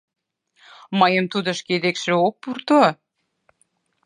Мыйым тудо шке декше ок пурто...